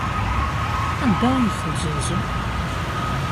Anda ay ten-tessenzem?